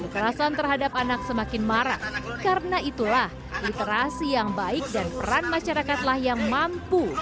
kekerasan terhadap anak semakin marah karena itulah literasi yang baik dan peran masyarakatlah yang mampu